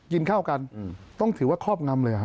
กินข้าวกันต้องถือว่าครอบงำเลยฮะ